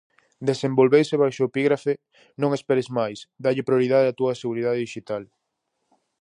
Desenvolveuse baixo o epígrafe "Non esperes máis, dálle prioridade á túa seguridade dixital".